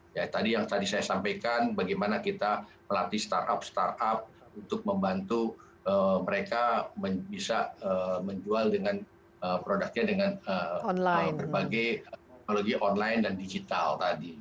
ya tadi yang tadi saya sampaikan bagaimana kita melatih startup startup untuk membantu mereka bisa menjual dengan produknya dengan berbagai teknologi online dan digital tadi